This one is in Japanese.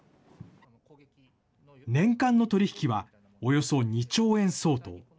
年間の取り引きはおよそ２兆円相当。